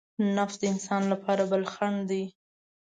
نفس د انسان لپاره بل خڼډ دی.